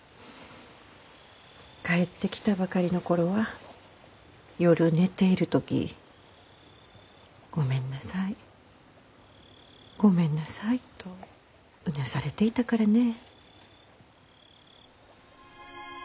帰ってきたばかりの頃は夜寝ている時「ごめんなさいごめんなさい」とうなされていたからね。